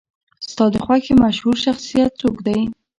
ستا د خوښې مشهور شخصیت څوک دی؟